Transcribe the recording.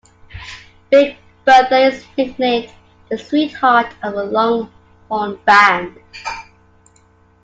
Big Bertha is nicknamed the "Sweetheart of the Longhorn Band".